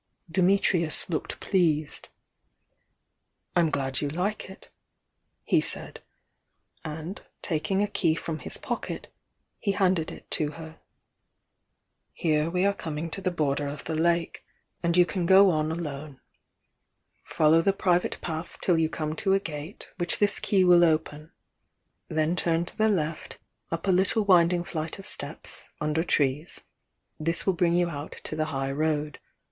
Dimitrius looked pleased. "I'm glad you like it," he said — and taking a key from his pocket, he handed it to her. "Here we are coming to the border of the lake, and you can go on THE YOUNG DIANA 117 alone. Follow the private path till you come to a gate which this key will open— then turn to the left, up a little winding flight of steps, under trees— this will bring you out to the high road.